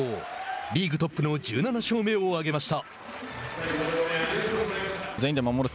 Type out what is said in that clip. リーグトップの１７勝目を挙げました。